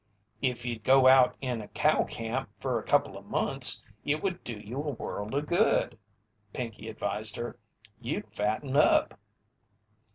"If you'd go out in a cow camp fer a couple of months it would do you a world of good," Pinkey advised her. "You'd fatten up."